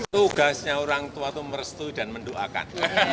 tugasnya orang tua itu merestui dan mendoakan